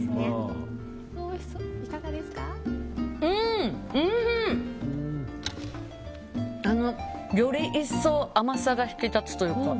おいしい！より一層甘さが引き立つというか。